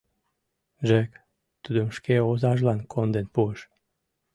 Джек тудым шке озажлан конден пуыш.